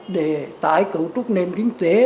để tải cấu trúc nền kinh tế